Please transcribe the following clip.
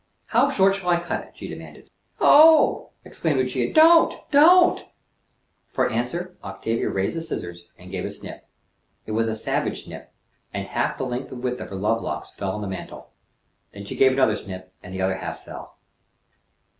"How short shall I cut it?" she demanded. "Oh!" exclaimed Lucia, "don't, don't!" For answer, Octavia raised the scissors, and gave a snip. It was a savage snip, and half the length and width of her love locks fell on the mantle; then she gave another snip, and the other half fell.